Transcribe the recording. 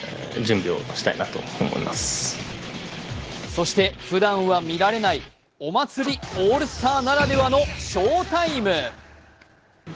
そしてふだんは見られないお祭りオールスターならではのショータイム。